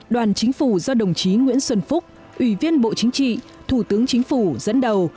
đoàn chủ tịch nước do đồng chí nguyễn xuân phúc ủy viên bộ chính trị thủ tướng chính phủ dẫn đầu